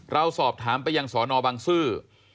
เราสอบถามไปยังสอนอบังซื้อ